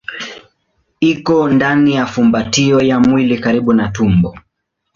Iko ndani ya fumbatio ya mwili karibu na tumbo.